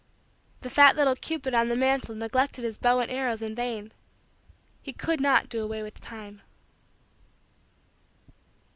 The fat little cupid on the mantle neglected his bow and arrows in vain; he could not do away with time.